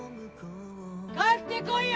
帰ってこいよ！